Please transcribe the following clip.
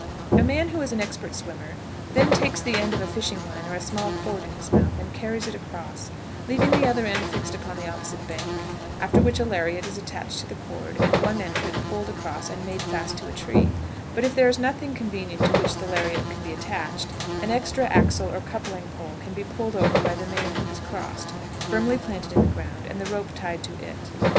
] A man who is an expert swimmer then takes the end of a fishing line or a small cord in his mouth, and carries it across, leaving the other end fixed upon the opposite bank, after which a lariat is attached to the cord, and one end of it pulled across and made fast to a tree; but if there is nothing convenient to which the lariat can be attached, an extra axle or coupling pole can be pulled over by the man who has crossed, firmly planted in the ground, and the rope tied to it.